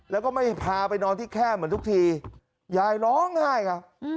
แล้วก็ไม่พาไปนอนที่แคบเหมือนทุกทียายร้องไห้ครับ